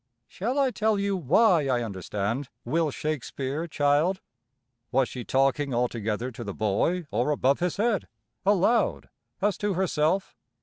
"Shall I tell you why I understand, Will Shakespeare, child?" Was she talking altogether to the boy, or above his head aloud as to herself?